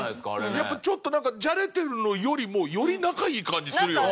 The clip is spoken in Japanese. やっぱちょっとなんかじゃれてるのよりもより仲いい感じするよね。